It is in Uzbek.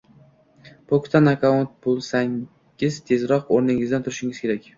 Boksda nakdaun bo’lsangiz tezroq o’rningizdan turishingiz kerak